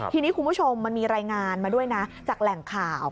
ทีนี้คุณผู้ชมมันมีรายงานมาด้วยนะจากแหล่งข่าว